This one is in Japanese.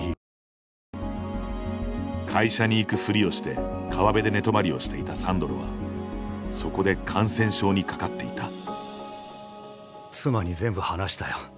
会社に行くふりをして川辺で寝泊まりをしていたサンドロはそこで感染症にかかっていた妻に全部話したよ。